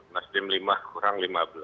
nasdem lima kurang lima belas